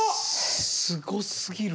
すごすぎる！